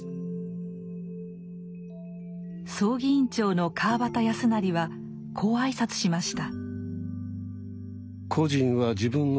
葬儀委員長の川端康成はこう挨拶しました。